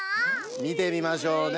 みてみましょうね。